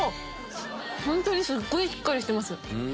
本当にすっごいしっかりしてます。